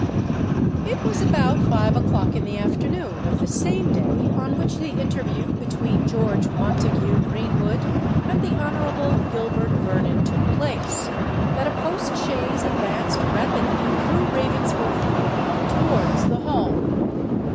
It was about five o'clock in the afternoon of the same day on which the interview between George Montague Greenwood and the Honourable Gilbert Vernon took place, that a post chaise advanced rapidly through Ravensworth Park, towards the Hall.